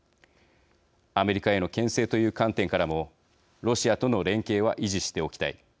アメリカへのけん制という観点からも、ロシアとの連携は維持しておきたい。